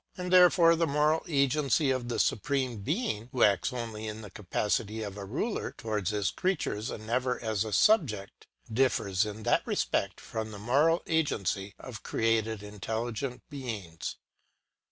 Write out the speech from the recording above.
And therefore the moral agency of the Supreme Being, who acts only in the ca pacity of a ruler towards his creatures, and never as a sub ject, differs in that respect from the moral agency of cre ated intelligent beings.